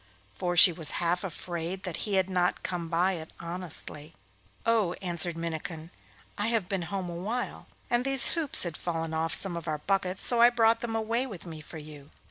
for she was half afraid that he had not come by it honestly. 'Oh,' answered Minnikin, 'I have been home a while, and these hoops had fallen off some of our buckets, so I brought them away with me for you.